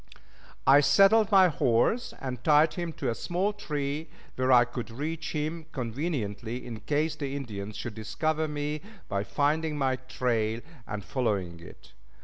] I saddled my horse and tied him to a small tree where I could reach him conveniently in case the Indians should discover me by finding my trail and following it.